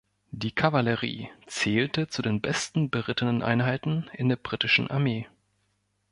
Die Kavallerie zählte zu den besten berittenen Einheiten in der britischen Armee.